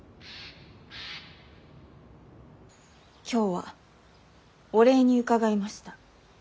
今日はお礼に伺いました。